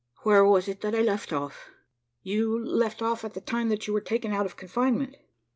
"Where was it that I left off?" "You left off at the time that you were taken out of confinement."